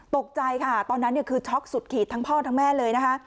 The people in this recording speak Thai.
ตกใจค่ะตอนนั้นคือช็อกสุดขีดทั้งพ่อทั้งแม่เลยนะคะ